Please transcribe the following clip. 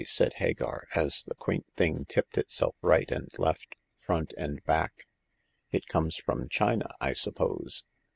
" said Hagar, as the quaint thing tipped itself right and left, front and back. '* It comes from China, I suppose